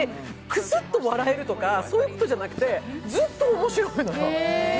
くすっと笑えるとかそういうことじゃなくてずっと面白いのよ。